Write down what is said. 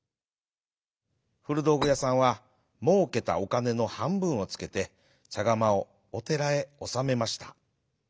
ふるどうぐやさんはもうけたおかねのはんぶんをつけてちゃがまをおてらへおさめました。